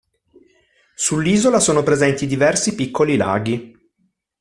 Sull'isola sono presenti diversi piccoli laghi.